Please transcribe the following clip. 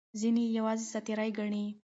ځینې یې یوازې ساعت تېرۍ ګڼي.